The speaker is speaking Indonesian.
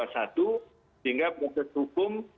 sehingga proses hukum